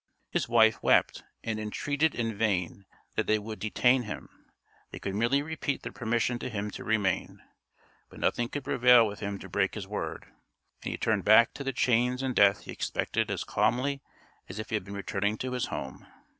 His wife wept and entreated in vain that they would detain him; they could merely repeat their permission to him to remain; but nothing could prevail with him to break his word, and he turned back to the chains and death he expected as calmly as if he had been returning to his home.